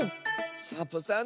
サボさん